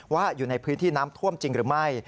อยู่ในพื้นที่น้ำท่วมจริงหรือไม่